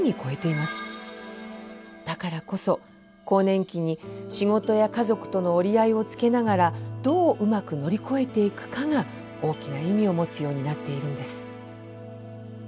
だからこそ更年期に仕事や家族との折り合いをつけながらどううまく乗り越えていくかが大きな意味を持つようになっているんです。